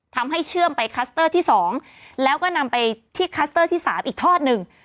เชื่อมไปคัสเตอร์ที่๒แล้วก็นำไปที่คัสเตอร์ที่๓อีกทอดหนึ่ง